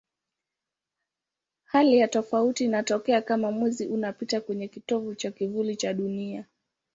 Hali ya tofauti inatokea kama Mwezi unapita kwenye kitovu cha kivuli cha Dunia.